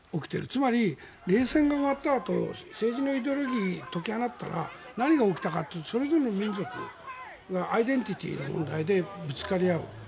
つまり、冷戦が終わったあと政治のイデオロギーを解き放ったら何が起きたかというとそれぞれの民族がアイデンティティーが問題でぶつかり合う。